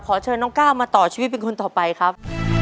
เชิญน้องก้าวมาต่อชีวิตเป็นคนต่อไปครับ